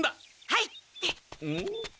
はい！